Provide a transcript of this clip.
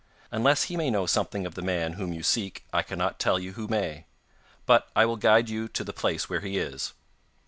Unless he may know something of the man whom you seek I cannot tell who may. But I will guide you to the place where he is.